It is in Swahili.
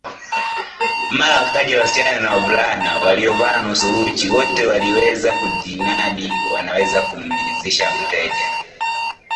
Mara wakaja wasichana na wavulana waliovaa nusu uchi wote waliweza kujinadi wanaweza kumridhisha mteja